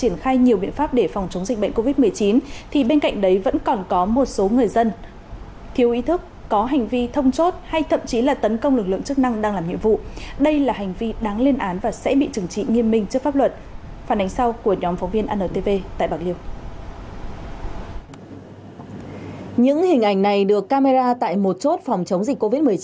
những hình ảnh này được camera tại một chốt phòng chống dịch covid một mươi chín